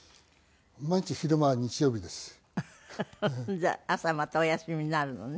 じゃあ朝またお休みになるのね。